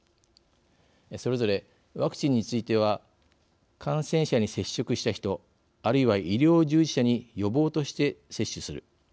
それぞれ、ワクチンについては感染者に接触した人あるいは医療従事者に予防として接種する。